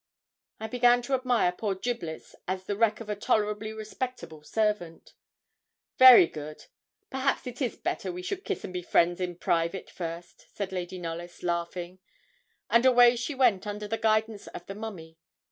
I began to admire poor 'Giblets' as the wreck of a tolerably respectable servant. 'Very good; perhaps it is better we should kiss and be friends in private first,' said Cousin Knollys, laughing; and away she went under the guidance of the mummy.